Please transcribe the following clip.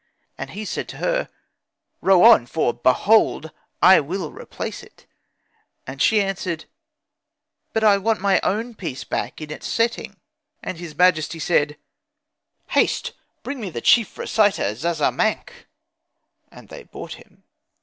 And he said to her, 'Row on, for behold I will replace it.' And she answered, 'But I want my own piece back in its setting.' And his majesty said, 'Haste, bring me the chief reciter Zazamankh,' and they brought him.